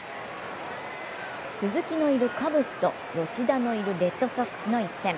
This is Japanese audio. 鈴木のいるカブスと吉田のレッドソックスの一戦。